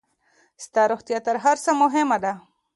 ستا روغتيا تر هر څۀ مهمه ده.